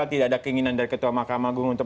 tidak ada keinginan dari ketua mahkamah agung untuk